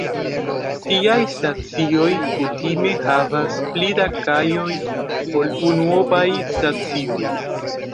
Tiaj stacioj kutime havas pli da kajoj ol unuopaj stacioj.